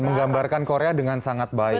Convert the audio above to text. dan menggambarkan korea dengan sangat baik